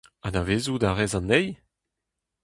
Anavezout a rez anezhi ?